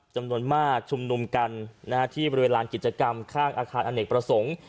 จำนวนมากชุมนุมกันที่บริเวณลานกิจกรรมข้างอาคารอเนกประสงค์